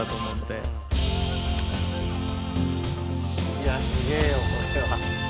「いやすげえよこれは」